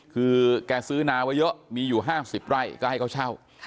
คือแกซื้อนาไว้เยอะมีอยู่๕๐ไร่ก็ให้เขาเช่า